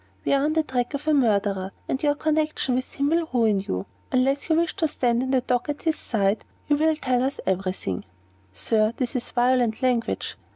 We are on the track of a murderer, and your connection with him will ruin you. Unless you wish to stand in the dock at his side, you will tell us every thing." "Sir, this is violent language."